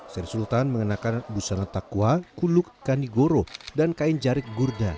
sri sultan mengenakan busana takwa kuluk kanigoro dan kain jarik gurda